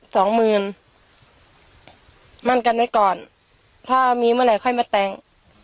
สองหมื่นมั่นกันไว้ก่อนถ้ามีเมื่อไหร่ค่อยมาแต่ง